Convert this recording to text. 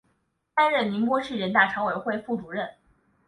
担任宁波市人大常委会副主任。